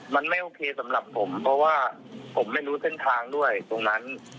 มันไม่โอเคสำหรับผมเพราะว่าผมไม่รู้เส้นทางด้วยตรงนั้น